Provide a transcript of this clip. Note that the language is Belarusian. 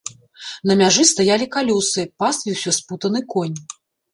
На мяжы стаялі калёсы, пасвіўся спутаны конь.